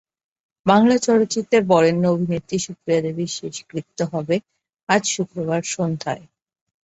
বাংলা চলচ্চিত্রের বরেণ্য অভিনেত্রী সুপ্রিয়া দেবীর শেষকৃত্য হবে আজ শুক্রবার সন্ধ্যায়।